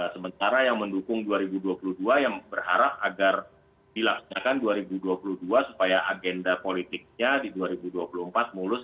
sementara yang mendukung dua ribu dua puluh dua yang berharap agar dilaksanakan dua ribu dua puluh dua supaya agenda politiknya di dua ribu dua puluh empat mulus